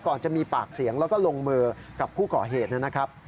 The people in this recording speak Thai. จะมีปากเสียงแล้วก็ลงมือกับผู้ก่อเหตุนะครับ